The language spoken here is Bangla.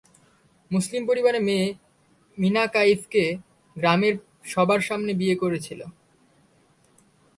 মুসলিম পরিবারের মেয়ে মিনাকাইফকে গ্রামের সবার সামনে বিয়ে করেছিল।